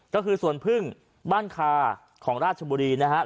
ก็คือสวนพึ่งบ้านคาของราชบุรีนะครับ